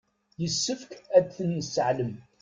Yessefk ad ten-nesseɛlem.